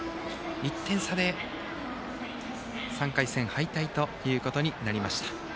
１点差で３回戦敗退ということになりました。